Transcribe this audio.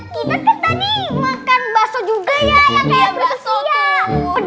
kita kan tadi makan baso juga ya yang kayak ketut ketut